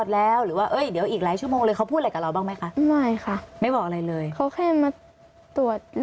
อ๋อแล้วอย่างไรต่อ